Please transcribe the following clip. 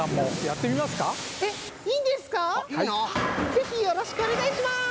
ぜひよろしくおねがいします！